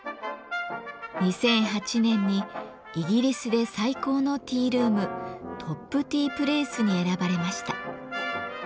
２００８年にイギリスで最高のティールームトップ・ティープレイスに選ばれました。